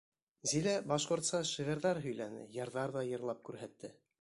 Зилә башҡортса шиғырҙар һөйләне, йырҙар ҙа йырлап күрһәтте.